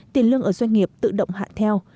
tiền lương ở doanh nghiệp tự động hạ theo